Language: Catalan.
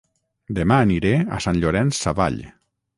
Dema aniré a Sant Llorenç Savall